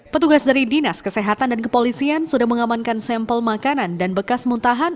petugas dari dinas kesehatan dan kepolisian sudah mengamankan sampel makanan dan bekas muntahan